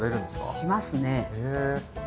しますね。